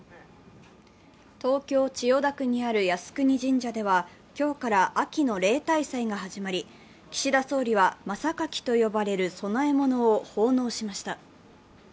東京・千代田区にある靖国神社では今日から秋の例大祭が始まり岸田総理は真榊と呼ばれる供えを奉納しました。